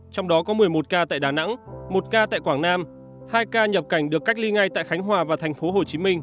trong đó có một mươi một ca tại đà nẵng một ca tại quảng nam hai ca nhập cảnh được cách ly ngay tại khánh hòa và tp hcm